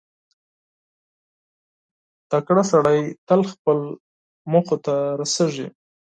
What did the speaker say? • تکړه سړی تل خپلو موخو ته رسېږي.